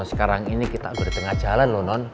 sekarang ini kita udah di tengah jalan loh non